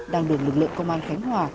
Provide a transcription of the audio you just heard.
đang được lực lượng công an khánh hòa